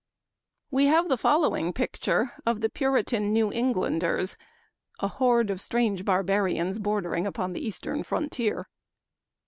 We have the following picture of the Puritan New Englanders, a " horde of strange barba rians bordering upon the eastern frontier."